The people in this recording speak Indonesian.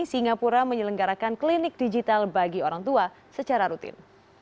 singapura menyelenggarakan klinik digital bagi orang tua secara rutin